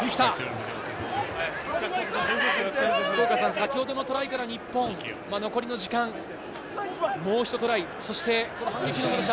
先ほどのトライから日本、残りの時間、もう１トライ、そして。